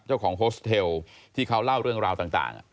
โฮสเทลที่เขาเล่าเรื่องราวต่าง